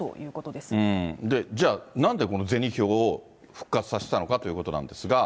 で、じゃあ、なんでこの銭票を復活させたのかということなんですが。